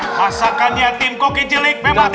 masakannya tim kokijilik memang tidak tadi